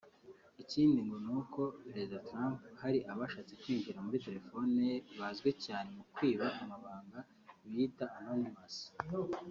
Ikindi ngo ni uko perezida Trump hari abashatse kwinjira muri telephone ye bazwi cyane mukwiba amabanga biyita Anonymous